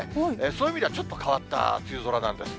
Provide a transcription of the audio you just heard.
そういう意味ではちょっと変わった梅雨空なんです。